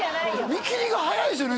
見切りが早いですよね